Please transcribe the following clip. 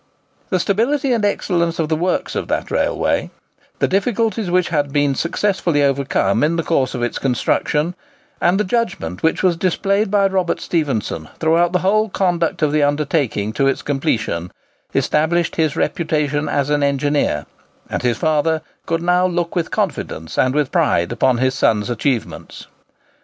The stability and excellence of the works of that railway, the difficulties which had been successfully overcome in the course of its construction, and the judgment which was displayed by Robert Stephenson throughout the whole conduct of the undertaking to its completion, established his reputation as an engineer; and his father could now look with confidence and with pride upon his son's achievements.